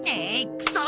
くそ！